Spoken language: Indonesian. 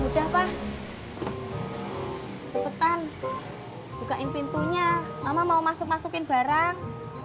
udah pak cepetan bukain pintunya mama mau masuk masukin barang